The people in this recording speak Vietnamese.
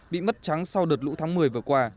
bị mất trắng sau đợt lũ tháng một mươi vừa qua